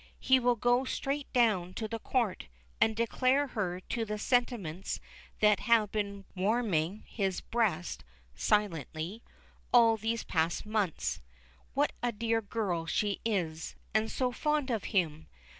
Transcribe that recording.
He will go straight down to the Court, and declare to her the sentiments that have been warming his breast (silently!) all these past months. What a dear girl she is, and so fond of him!